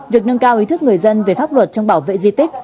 việc nâng cao ý thức người dân về pháp luật trong bảo vệ di tích